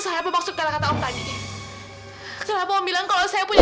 sampai jumpa di video selanjutnya